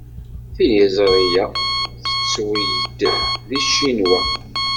Tiliẓri-a tettweg-d deg Ccinwa.